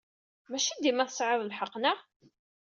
Maci dima tesɛid lḥeqq, naɣ?